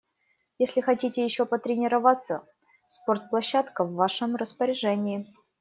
Если хотите ещё потренироваться, спортплощадка в вашем распоряжении.